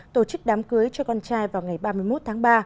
tổ chức đám cưới cho con trai vào ngày ba mươi một tháng ba